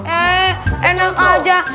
ehh enak aja